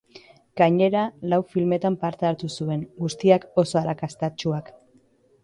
Gainera, lau filmetan parte hartu zuen, guztiak oso arrakastatsuak.